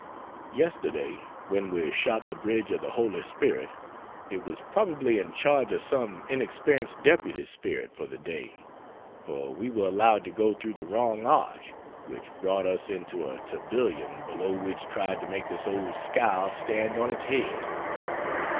Yesterday when we shot the Bridge of the Holy Spirit it was probably in charge of some inexperienced deputy spirit for the day, for we were allowed to go through the wrong arch, which brought us into a tourbillon below which tried to make this old scow stand on its head.